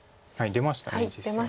出ました実戦は。